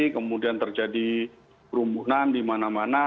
kemudian terjadi kerumbunan di mana mana